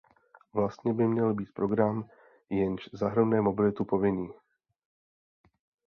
Vlastně by měl být program, jenž zahrnuje mobilitu, povinný.